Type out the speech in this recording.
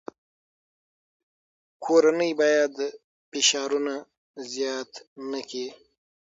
کورنۍ باید فشارونه زیات نکړي.